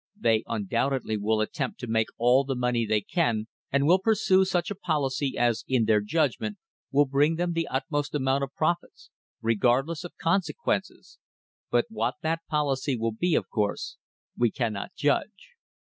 They undoubtedly will attempt to make all the money they can and will pursue such a policy as in their judgment will bring them the utmost amount of profits, regardless of consequences, but what that policy will be, of course, we can •not judge.